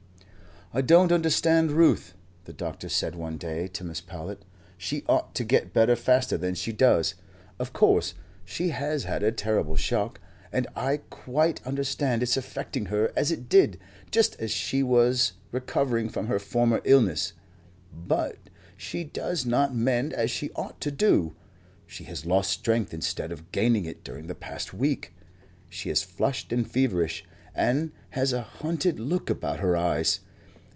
"I don't understand Ruth," the doctor said one day to Mrs. Powlett. "She ought to get better faster than she does. Of course she has had a terrible shock, and I quite understand its affecting her as it did, just as she was recovering from her former illness; but she does not mend as she ought to do. She has lost strength instead of gaining it during the past week. She is flushed and feverish, and has a hunted look about her eyes.